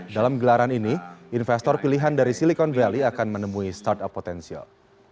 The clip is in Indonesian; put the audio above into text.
dalam gelaran ini investor pilihan dari silicon valley akan menemui startup potensial